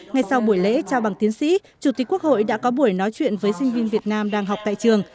ngay sau buổi lễ trao bằng tiến sĩ chủ tịch quốc hội đã có buổi nói chuyện với sinh viên việt nam đang học tại trường